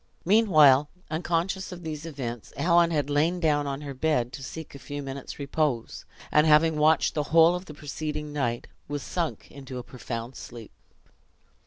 Meanwhile, unconscious of these events, Helen had lain down on her bed, to seek a few minutes' repose; and having watched the whole of the preceding night, was sunk into a profound sleep.